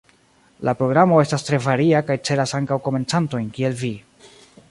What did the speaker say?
La programo estas tre varia kaj celas ankaŭ komencantojn kiel vi.